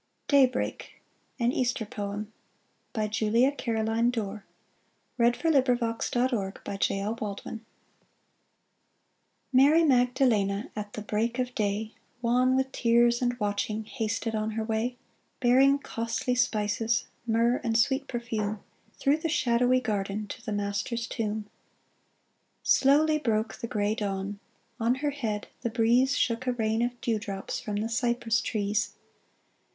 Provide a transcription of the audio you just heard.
DAYBREAK an easter poem Mary Magdalene, At the break of day, Wan with tears and watching, Hasted on her way ; Bearing costly spices, Myrrh, and sweet perfume, Through the shadowy garden To the Master's tomb. Slowly broke the gray dawn : On her head the breeze Shook a rain of dew drops From the cypress trees.